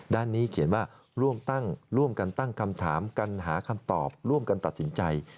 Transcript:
ด้านนี้เขียนว่าร่วมตั้งร่วมกันตั้งคำถามกันหาคำตอบร่วมกันตัดสินใจ